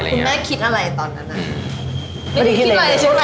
คุณแม่คิดอะไรตอนนั้นน่ะ